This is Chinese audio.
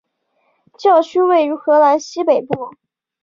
教区位于荷兰西北部。